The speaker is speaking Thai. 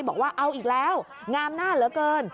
บอกว่าเอาอีกแล้วงามหน้าเหลือเกิน